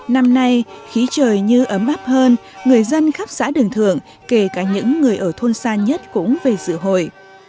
năm nay khí trời như ấm áp hơn người dân khắp xã đường thượng kể cả những người ở thôn xa nhất cũng về dự hội